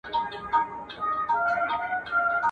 ما په ژوند کي داسي قام نه دی لیدلی.